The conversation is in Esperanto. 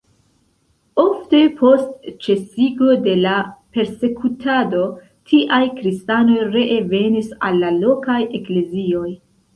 Ofte, post ĉesigo de la persekutado, tiaj kristanoj ree venis al la lokaj eklezioj.